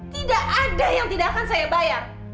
tidak ada yang tidak akan saya bayar